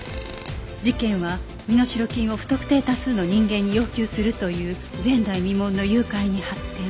事件は身代金を不特定多数の人間に要求するという前代未聞の誘拐に発展